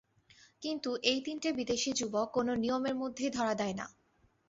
কিন্তু এই তিনটে বিদেশী যুবক কোনো নিয়মের মধ্যেই ধরা দেয় না।